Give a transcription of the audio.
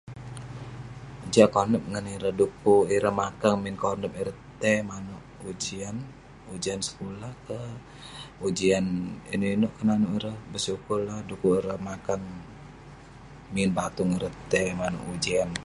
Jah konep ngan ireh du'kuk ireh makang konep ireh tai manouk ujian, ujian sekulah ka, ujian inouk inouk keh nanouk ireh...bersyukur la du'kuk ireh makang min batung ireh tai manouk ujian..